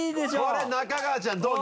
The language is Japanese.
これ仲川ちゃんどう？